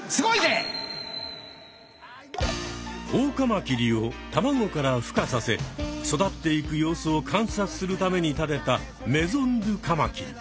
オオカマキリを卵からふかさせ育っていく様子を観察するために建てたメゾン・ドゥ・カマキリ。